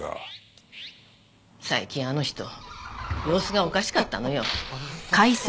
最近あの人様子がおかしかったのよ。